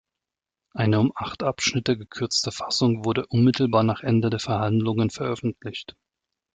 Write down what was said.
Eine um acht Abschnitte gekürzte Fassung wurde unmittelbar nach Ende der Verhandlungen veröffentlicht.